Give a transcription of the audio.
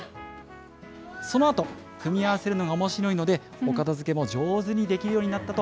そのあと、組み合わせるのがおもしろいので、お片づけも上手にできるようになったと。